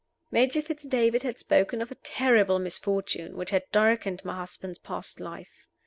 Major Fitz David had spoken of a terrible misfortune which had darkened my husband's past life.